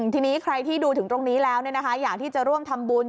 ทีนี้ใครที่ดูถึงตรงนี้แล้วอยากที่จะร่วมทำบุญ